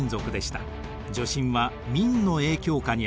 女真は明の影響下にありました。